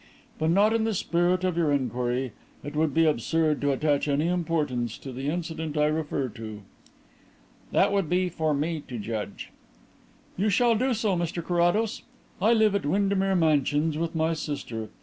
But not in the spirit of your inquiry. It would be absurd to attach any importance to the incident I refer to." "That would be for me to judge." "You shall do so, Mr Carrados. I live at Windermere Mansions with my sister.